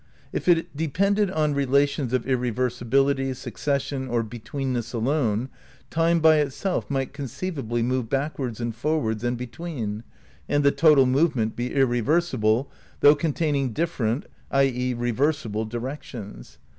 If it de pended on relations of irreversibility, succession, or between ness alone, time by itself might conceivably move backwards and forwards and between, and the total movement be irre versible though containing different (i. e. reversible) direc tions.